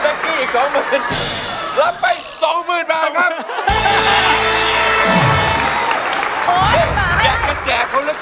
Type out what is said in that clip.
ให้เข้าไปเถอะ